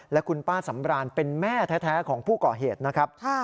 และคุณป้าสำรานเป็นแม่แท้ของผู้ก่อเหตุนะครับ